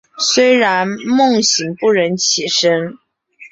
虽然梦醒不忍起身